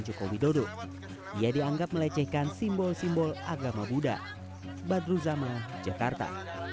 joko widodo ia dianggap melecehkan simbol simbol agama buddha badruzama jakarta